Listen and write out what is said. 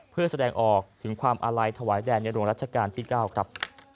เพื่อแสดงออกถึงความอาลัยถวายแด่ในหลวงรัชกาลที่๙ครับ